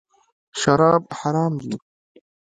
شراب حرام دي .